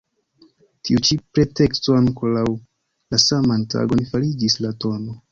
Tiu ĉi preteksto ankoraŭ la saman tagon fariĝis la tn.